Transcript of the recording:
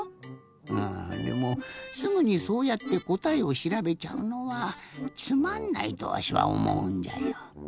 あぁでもすぐにそうやってこたえをしらべちゃうのはつまんないとわしはおもうんじゃよ。